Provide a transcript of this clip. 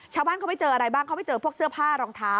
ชาวบ้านเขาไปเจออะไรบ้างเขาไปเจอพวกเสื้อผ้ารองเท้า